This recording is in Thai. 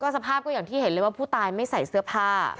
สภาพก็อย่างที่เห็นเลยว่าผู้ตายไม่ใส่เสื้อผ้า